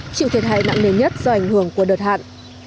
chịu thiệt hại nặng nề nhất do ảnh hưởng của đợt hạn